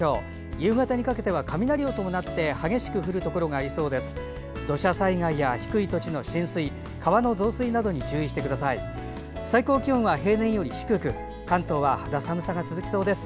夕方にかけては雷を伴って激しく降るところがありそうです。